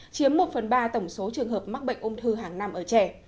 chiếm một phần ba tổng số trường hợp mắc bệnh ung thư hàng năm ở trẻ